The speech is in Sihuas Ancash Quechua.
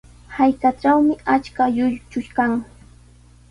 Hallqatrawmi achka lluychu kan.